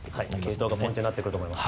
継投がポイントになってくると思います。